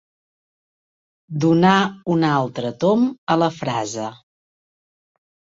Donar un altre tomb a la frase.